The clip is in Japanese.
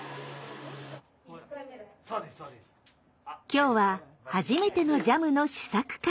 今日は初めてのジャムの試作会。